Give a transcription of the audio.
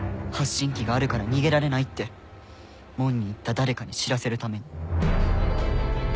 発信器があるから逃げられないって門に行った誰かに知らせるために。